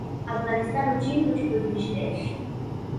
আফগানিস্তান ও চীন দুটি প্রতিবেশী দেশ।